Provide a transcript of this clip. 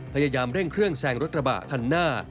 พยายามเร่งเครื่องแซงรถกระบะคันหน้า